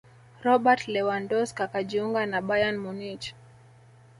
robert lewandowsk akajiunga na bayern munich